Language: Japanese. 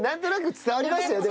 伝わりますよね？